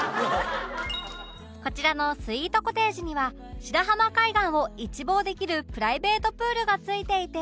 こちらのスイートコテージには白浜海岸を一望できるプライベートプールが付いていて